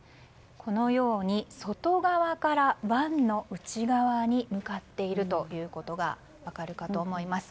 このように、外側から湾の内側に向かっているということが分かるかと思います。